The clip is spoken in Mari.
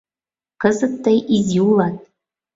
Кызыт тый изи улат.